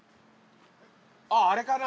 あああれかな？